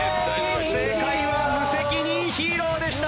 正解は『無責任ヒーロー』でした！